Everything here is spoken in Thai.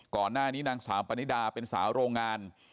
ก่อนหน้านี้นางสาวปานิดาเป็นสาวโรงงาน